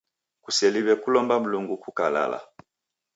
Kuseliw'e kulomba Mlungu kukakalala.